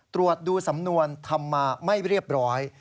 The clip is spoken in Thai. ตรวจดูสำนวนทำมาไม่เรียบร้อย